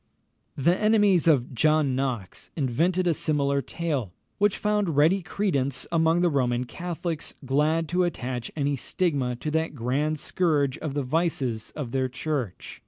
] The enemies of John Knox invented a similar tale, which found ready credence among the Roman Catholics, glad to attach any stigma to that grand scourge of the vices of their Church.